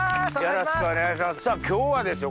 よろしくお願いします。